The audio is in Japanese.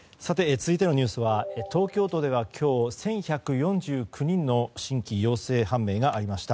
続いてのニュースは東京都では今日１１４９人の新規陽性判明がありました。